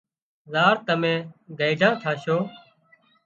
زار تمين گئيڍا ٿاشو